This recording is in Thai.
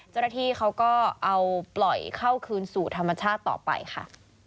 เจ้าหน้าที่เขาก็เอาปล่อยเข้าคืนสู่ธรรมชาติต่อไปค่ะ